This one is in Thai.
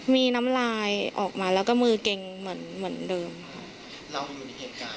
มีน้ำลายออกมาแล้วก็มือเกรงเหมือนเดิมค่ะ